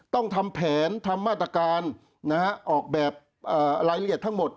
ต้องทำแผนทำมาตรการออกแบบรายละเอียดทั้งหมด